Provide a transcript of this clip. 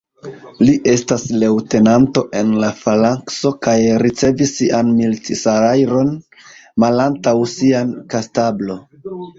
Li estas leŭtenanto en la _falankso_ kaj ricevas sian milit-salajron malantaŭ sia kastablo.